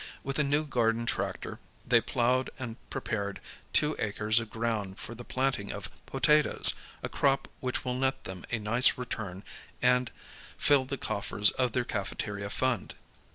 With a new garden tractor they plowed and prepared two acres of ground for the planting of potatoes, a crop which will net them a nice return and lill the coffers of their cafeteria fund.